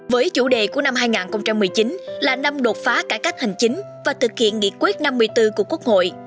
với chủ đề của năm hai nghìn một mươi chín là năm đột phá cải cách hành chính và thực hiện nghị quyết năm mươi bốn của quốc hội